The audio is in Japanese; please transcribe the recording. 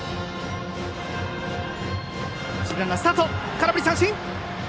空振り三振！